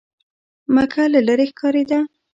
مکه له لرې ښکارېده.